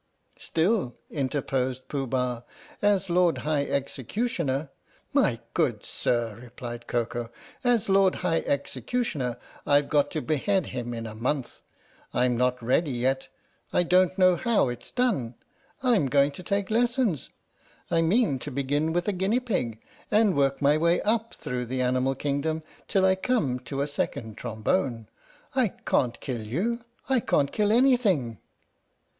" "Still," interposed Pooh Bah, "as Lord High Executioner "My good sir," replied Koko, "as Lord High Executioner I've got to behead him in a month. I'm not ready yet. I don't know how it 's done. I'm going to take lessons. I mean to begin with a guinea pig and work my way up through the animal kingdom till I come to a Second Trombone. I cant kill you. I can't kill anything!"